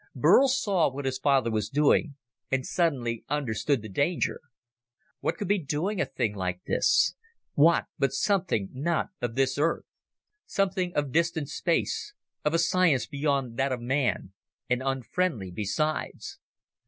Burl saw what his father was doing and suddenly understood the danger. What could be doing a thing like this? What but something not of this Earth? Something of distant space, of a science beyond that of man and unfriendly besides.